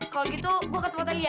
kalau gitu gue ke tempatnya lia